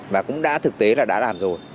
và cũng thực tế là đã làm rồi